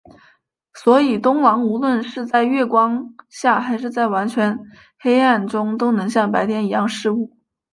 所以冬狼无论是在月光下还是在完全黑暗中都能像白天一样视物。